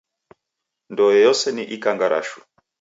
Ndoe yose ni ikangarashu.